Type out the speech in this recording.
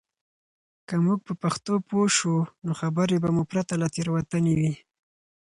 که موږ په پښتو پوه شو، نو خبرې به مو پرته له تېروتنې وي.